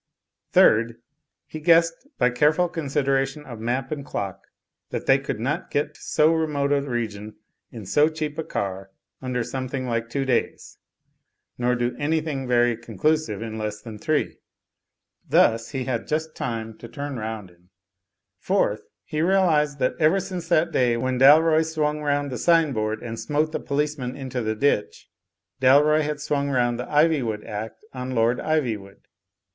Third, he guessed, by careful consideration of map and clock, that they could not get to so remote a region in so cheap a car under something like two days, nor do an3rthing very conclusive in less than three. Thus, he had just time to turn round in. Fourth, he realised that ever since that day when Dalroy swung round the sign board and smote the Digitized by CjOOQI^ THE POET IN PARLIAMENT 211 policeman into the ditch, Dalroy had swung round the Ivy wood Act on Lord Ivy wood.